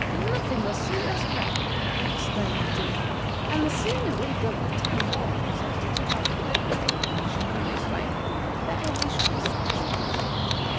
"Nothing will suit us better," exclaimed the jailer, "and the sooner we build a town wall so as to keep off the Potentate, if he should come this way, the better shall we be satisfied."